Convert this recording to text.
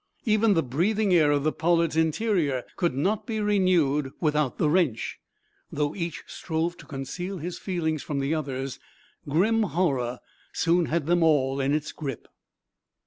Even the breathing air of the "Pollard's" interior could not be renewed without the wrench. Though each strove to conceal his feelings from the others, grim horror soon had them all in its grip.